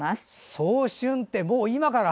早春ってもう今から？